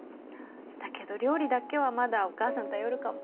だけど料理だけはまだお母さんに頼るかも。